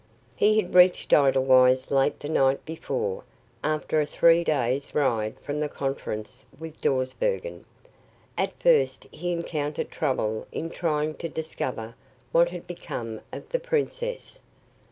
He had reached Edelweiss late the night before, after a three days' ride from the conference with Dawsbergen. At first he encountered trouble in trying to discover what had become of the princess.